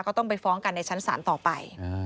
ก็ต้องไปฟ้องกันในชั้นศาลต่อไป